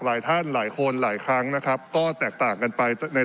หลายท่านหลายคนหลายครั้งนะครับก็แตกต่างกันไปใน